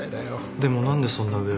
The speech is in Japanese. でも何でそんな上が。